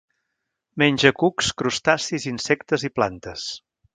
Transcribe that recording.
Menja cucs, crustacis, insectes i plantes.